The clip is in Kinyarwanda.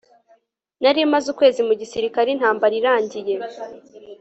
nari maze ukwezi mu gisirikare intambara irangiye